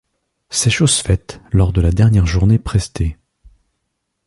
C'est chose faite lors de la dernière journée prestée.